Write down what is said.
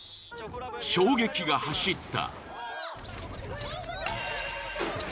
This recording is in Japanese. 衝撃が走った。